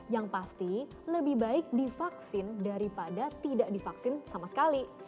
yang pasti lebih baik divaksin daripada tidak divaksin sama sekali